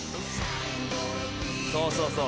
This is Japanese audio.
そうそうそう